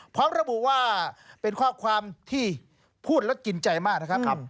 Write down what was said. พร้อมระบุว่าเป็นข้อความที่พูดแล้วกินใจมากนะครับ